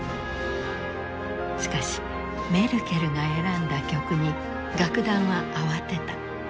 しかしメルケルが選んだ曲に楽団は慌てた。